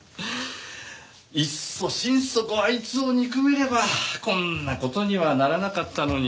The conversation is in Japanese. いっそ心底あいつを憎めればこんな事にはならなかったのに。